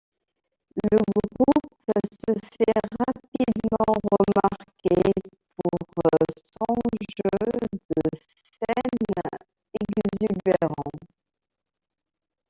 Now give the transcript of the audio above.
Le groupe se fait rapidement remarquer pour son jeu de scène exubérant.